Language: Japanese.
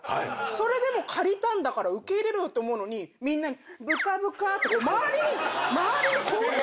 それでも借りたんだから受け入れろよって思うのにみんなに「ぶかぶか」って周りにこうするんすよ。